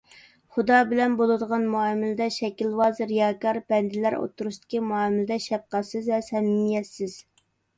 خۇدا بىلەن بولىدىغان مۇئامىلىدە شەكىلۋاز، رىياكار، بەندىلەر ئوتتۇرىسىدىكى مۇئامىلىدە شەپقەتسىز ۋە سەمىمىيەتسىز.